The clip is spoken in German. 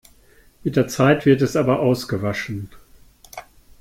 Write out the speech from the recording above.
Mit der Zeit wird es aber ausgewaschen.